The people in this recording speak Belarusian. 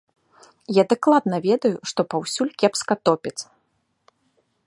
Я дакладна ведаю, што паўсюль кепска топяць.